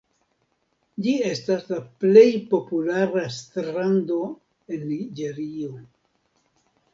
Ĝi estas la plej populara strando en Niĝerio.